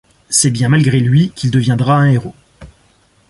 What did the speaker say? C'est bien malgré lui qu'il deviendra un héros.